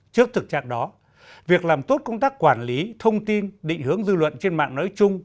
trước thực trạng đó việc làm tốt công tác quản lý thông tin định hướng dư luận trên mạng nói chung